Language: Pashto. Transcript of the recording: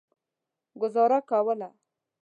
ګوزاره کوله.